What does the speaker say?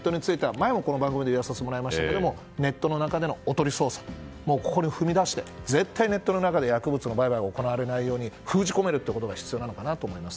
前もこの番組でも言わせてもらいましたがネットの中でのおとり捜査、これを踏み出して絶対ネットの中で薬物の売買が行われないように封じ込めることが必要なのかなと思います。